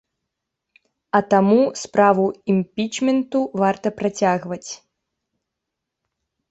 А таму справу імпічменту варта працягваць.